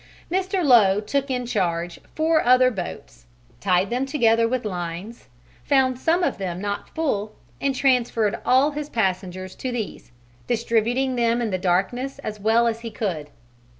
Mr. Lowe took in charge four other boats, tied them together with lines, found some of them not full, and transferred all his passengers to these, distributing them in the darkness as well as he could.